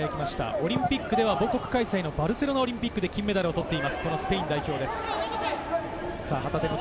オリンピックでは母国開催のバルセロナオリンピックで金メダルを取っているスペイン代表です。